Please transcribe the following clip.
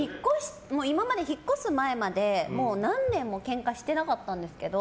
今まで引っ越す前まで何年もけんかしてなかったんですけど。